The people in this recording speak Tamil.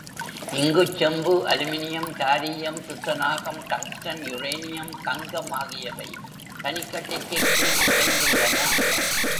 இங்குச் செம்பு, அலுமினியம், காரீயம், துத்தநாகம், டங்ஸ்ட ன், யுரேனியம், தங்கம் ஆகியவை பனிக்கட்டிக்குக் கீழ்ப் புதைந்துள்ளன.